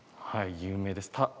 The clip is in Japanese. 有名です。